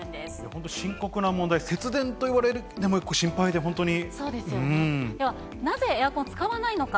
本当、深刻な問題、節電といわれる、でも心配で、本当に。